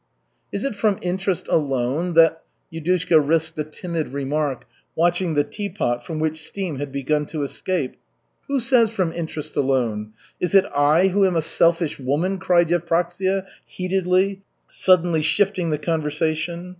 "Is it from interest alone that " Yudushka risked a timid remark, watching the tea pot from which steam had begun to escape. "Who says from interest alone? Is it I who am a selfish woman?" cried Yevpraksia heatedly, suddenly shifting the conversation.